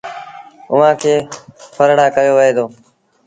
اُئآݩ کي ڦرڙآ ڪهيو وهي دو۔